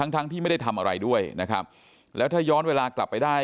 ทั้งทั้งที่ไม่ได้ทำอะไรด้วยนะครับแล้วถ้าย้อนเวลากลับไปได้